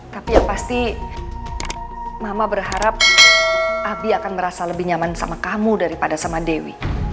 tapi yang pasti mama berharap abi akan merasa lebih nyaman sama kamu daripada sama dewi